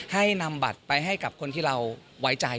ให้นำบัตรไปให้กับคนที่เราไว้ใจ